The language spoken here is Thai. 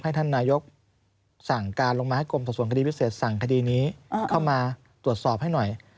ท่านนายกสั่งการลงมาให้กรมสอบส่วนคดีพิเศษสั่งคดีนี้เข้ามาตรวจสอบให้หน่อย